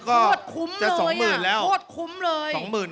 โธ่ดคุ้มเลยโธ่ดคุ้มเลยจะ๒๐๐๐๐แล้ว